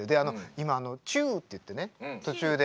今チューっていってね途中で。